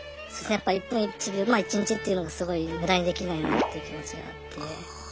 やっぱ一分一秒一日っていうのがすごい無駄にできないなっていう気持ちがあって。